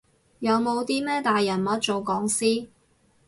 有冇啲咩大人物做講師？